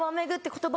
言葉。